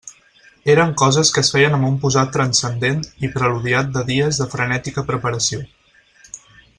Eren coses que es feien amb un posat transcendent i preludiat de dies de frenètica preparació.